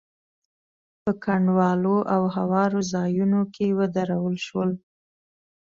په کنډوالو او هوارو ځايونو کې ودرول شول.